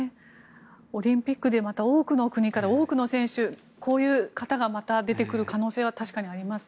オリンピックで多くの国から多くの選手こういう方がまた出てくる可能性は確かにありますね。